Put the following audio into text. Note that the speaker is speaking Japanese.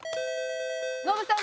ノブさん